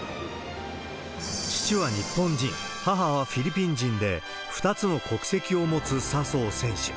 父は日本人、母はフィリピン人で２つの国籍を持つ笹生選手。